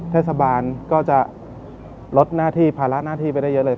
เทศบาลก็จะลดหน้าที่ภาระหน้าที่ไปได้เยอะเลย